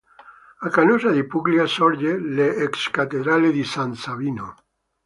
A Canosa di Puglia sorge l'ex cattedrale di San Sabino.